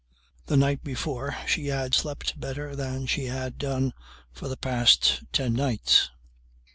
The night before she had slept better than she had done for the past ten nights.